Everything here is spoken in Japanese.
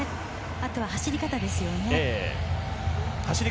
あとは走り方ですよね。